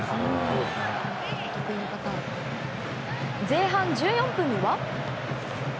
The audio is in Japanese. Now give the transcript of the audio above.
前半１４分には。